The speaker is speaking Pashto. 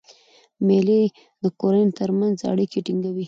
مېلې د کورنۍ ترمنځ اړیکي ټینګوي.